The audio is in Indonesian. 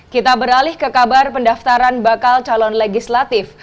kita beralih ke kabar pendaftaran bakal calon legislatif